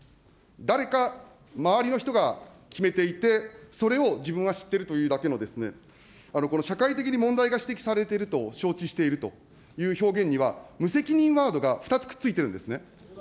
誰か周りの人が決めていて、それを自分は知っているというだけの、この社会的に問題が指摘されていると承知しているという表現には、無責任ワードが２つくっついてるんですね。